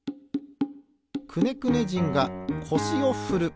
くねくね人がこしをふる。